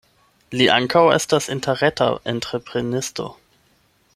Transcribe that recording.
Li ankaŭ estas interreta entreprenisto.